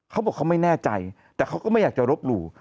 เขาบอกเขาไม่แน่ใจแต่เขาก็ไม่อยากจะรบหลู่